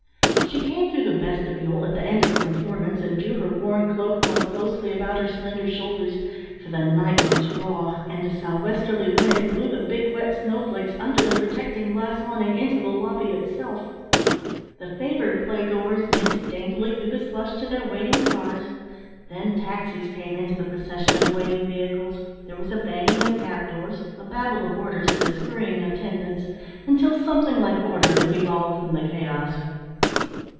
She came through the vestibule at the end of the performance, and drew her worn cloak more closely about her slender shoulders, for the night was raw, and a sou'westerly wind blew the big wet snowflakes under the protecting glass awning into the lobby itself. The favoured playgoers minced daintily through the slush to their waiting cars, then taxis came into the procession of waiting vehicles, there was a banging of cab doors, a babble of orders to the scurrying attendants, until something like order was evolved from the chaos.